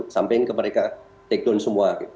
samping ke mereka take down semua